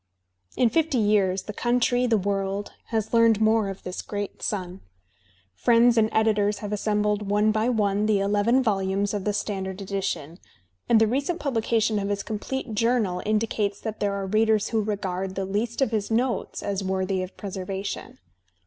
In fifty years the country, the world, has learned more of this great son. Friends and editors have assembled one by one the eleven volumes of the standard edition; and the recent publication of his complete journal indicates that there are readers who regard the least of his notes as worthy of preservation.